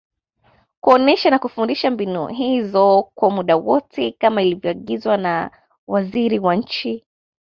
kuonesha na kufundisha mbinu hizo kwa muda wote kama ilivyoagizwa na Waziri wa Nchi